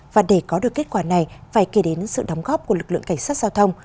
và để có được kết quả này phải kể đến sự đóng góp của lực lượng cảnh sát giao thông